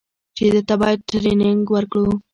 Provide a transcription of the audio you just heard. چې ده ته بايد ټرېننگ ورکړو.